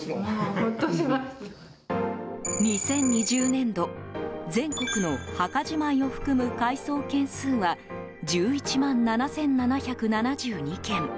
２０２０年度、全国の墓じまいを含む改葬件数は１１万７７７２件。